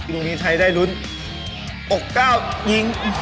ลูกนี้ไทยได้ลุ้นอกก้าวยิง